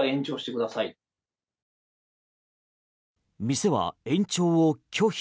店は延長を拒否。